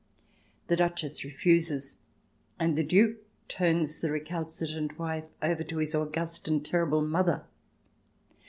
The Duchess refuses, and the Duke turns the recalcitrant wife over to his august and terrible mother.